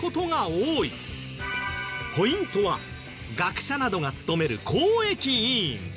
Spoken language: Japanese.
ポイントは学者などが務める公益委員。